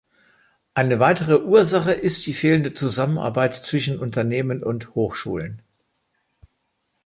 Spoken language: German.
Eine weitere Ursache ist die fehlende Zusammenarbeit zwischen Unternehmen und Hochschulen.